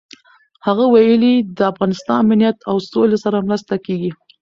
هغه ویلي، د افغانستان امنیت او سولې سره مرسته کېږي.